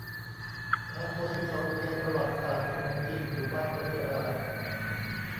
พาทัวร์ สิบสอง อุทยานประวัติศาสตร์เสมือนจริง อยู่บ้านก็เที่ยวได้